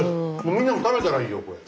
みんなも食べたらいいよこれ。